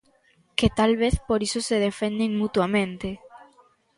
Que talvez por iso se defenden mutuamente.